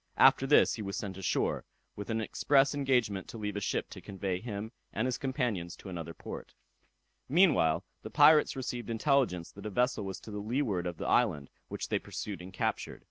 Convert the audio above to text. After this he was sent ashore, with an express engagement to leave a ship to convey him and his companions to another port. Meanwhile, the pirates received intelligence that a vessel was to the leeward of the island, which they pursued and captured.